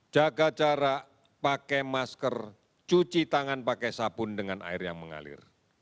jaga jarak pakai masker cuci tangan pakai sabun dengan air yang mengalir